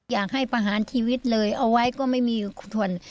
อยากให้ประหารชีวิตเลยเอาไว้ก็ไม่มีทน